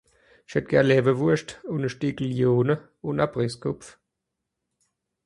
Isch hätt Garn Lawerwurscht un e Steckel Lyoner un au Presskopf